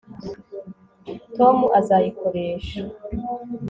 tom azayikoresha